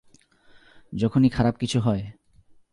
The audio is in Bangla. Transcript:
যখনি খারাপ কিছু হয়!